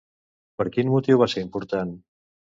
Per quin motiu va ser important?